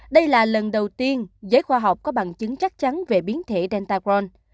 đây là lần đầu tiên giới khoa học có bằng chứng chắc chắn về biến thể delta crohn